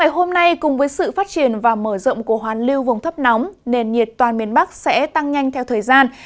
hôm nay cùng với sự phát triển và mở rộng của hoàn lưu vùng thấp nóng nền nhiệt toàn miền bắc sẽ tăng nhanh theo thời gian